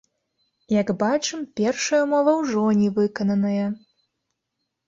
Як бачым, першая ўмова ўжо не выкананая.